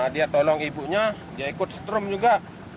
dia tolong ibunya dia ikut strom juga